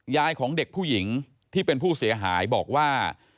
ยายของเด็กผู้หญิงที่เป็นผู้เสียหายบอกว่า